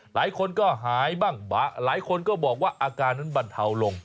หลายคนก็หายบ้างหลายคนก็บอกว่าอาการนั้นบรรเทาลง